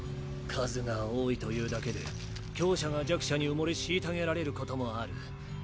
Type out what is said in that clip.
数が多いというだけで強者が弱者に埋もれ虐げられることもある。